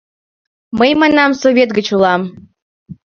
— Мый, — манам, — Совет гыч улам.